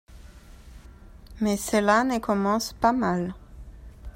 Mais cela ne commence pas mal.